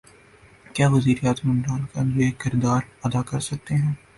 کیا وزیر اعظم عمران خان یہ کردار ادا کر سکتے ہیں؟